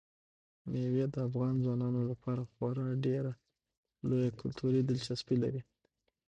مېوې د افغان ځوانانو لپاره خورا ډېره لویه کلتوري دلچسپي لري.